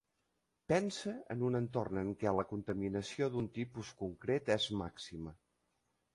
Pensa en un entorn en què la contaminació d'un tipus concret és màxima.